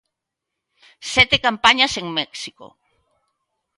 Sete campañas en México.